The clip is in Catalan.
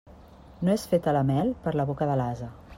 No és feta la mel per a la boca de l'ase.